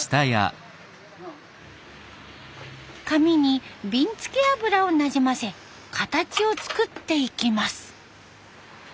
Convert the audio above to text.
髪にびんつけ油をなじませ形を作っていきます。